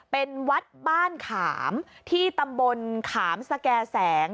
เป็นวัดบ้านขามที่ตำบลขามสแก่แสง